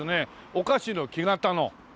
お菓子の木型の。